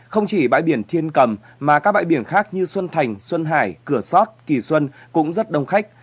không chỉ bãi biển thiên cầm mà các bãi biển khác như xuân thành xuân hải cửa sót kỳ xuân cũng rất đông khách